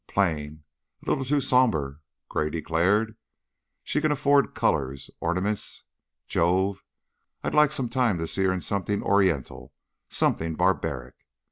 "Plain! A little too somber," Gray declared. "She can afford colors, ornaments. Jove! I'd like some time to see her in something Oriental, something barbaric.